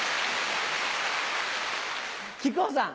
木久扇さん。